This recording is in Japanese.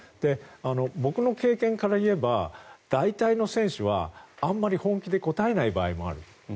僕の経験からいえば大体の選手はあまり本気で答えない場合もある。